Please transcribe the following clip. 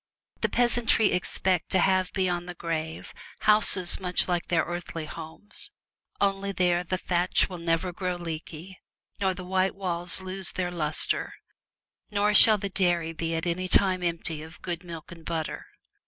The peasantry expect to have beyond the grave houses much like their earthly homes, only there the thatch will never grow leaky, nor the white walls lose their lustre, nor shall the dairy be at any time empty of good milk and butter.